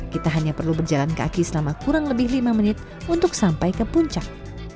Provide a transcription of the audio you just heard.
kita hanya perlu berjalan kaki selama kurang lebih lima menit untuk sampai ke puncak